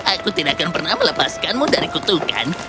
aku tidak akan pernah melepaskanmu dari kutukan